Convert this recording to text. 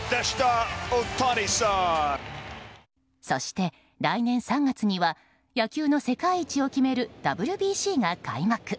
そして来年３月には野球の世界一を決めるＷＢＣが開幕。